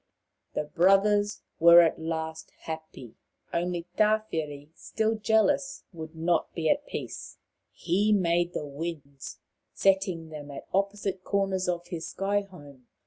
The brothers were at last happy. Only Tawhiri, still jealous, would not be at peace. He made the winds, setting them at opposite corners of his sky home.